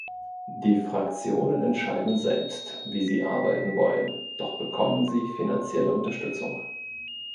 Die Fraktionen entscheiden selbst, wie sie arbeiten wollen, doch bekommen sie finanzielle Unterstützung.